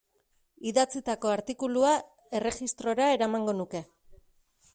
Idatzitako artikulua erregistrora eramango nuke.